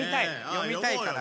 読みたいからね。